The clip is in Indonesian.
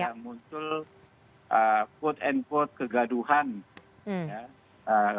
yang muncul quote unquote kegaduhan ya